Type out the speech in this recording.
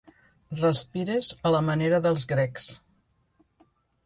Respires a la manera dels grecs.